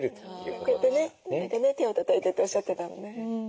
こうやってね手をたたいてっておっしゃってたもんね。